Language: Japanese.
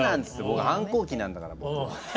僕反抗期なんだから。